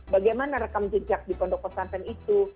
bagaimana rekam jejak di pondok pesantren itu